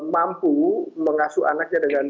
mampu mengasuh anaknya dengan